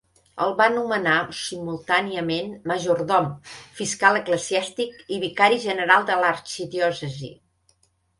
El va nomenar, simultàniament, majordom, fiscal eclesiàstic i vicari general de l'arxidiòcesi.